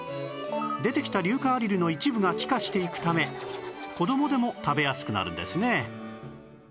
出てきた硫化アリルの一部が気化していくため子供でも食べやすくなるんですね